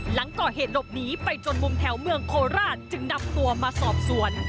หลังก่อเหตุหลบหนีไปจนมุมแถวเมืองโคราชจึงนำตัวมาสอบสวน